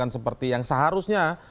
tidak seperti yang seharusnya